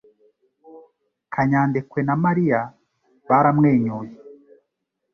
Kanyadekwe na Mariya baramwenyuye